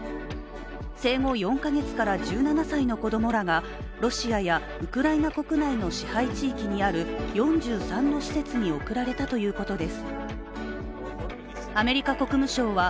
生後４か月から１７歳の子供らがロシアやウクライナ国内の支配地域にある４３の施設に送られたということです。